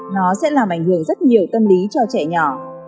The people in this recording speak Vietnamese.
nó sẽ làm ảnh hưởng rất nhiều tâm lý cho trẻ nhỏ